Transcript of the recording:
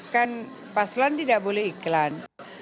kan paslon tidak boleh iklan